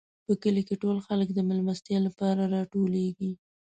په کلي کې ټول خلک د مېلمستیا لپاره راټولېږي.